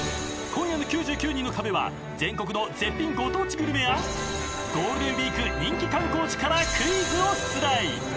［今夜の『９９人の壁』は全国の絶品ご当地グルメやゴールデンウイーク人気観光地からクイズを出題！］